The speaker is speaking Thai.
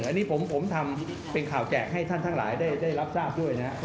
อันนี้ผมทำเป็นข่าวแจกให้ท่านทั้งหลายได้รับทราบด้วยนะครับ